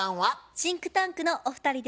シンクタンクのお二人です。